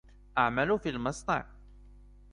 أعمل في مصنع.